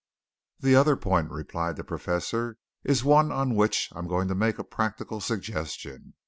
"The other point," replied the Professor, "is one on which I am going to make a practical suggestion.